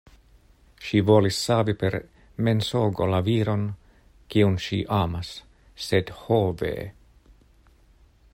Ŝi volis savi per mensogo la viron, kiun ŝi amas; sed ho ve!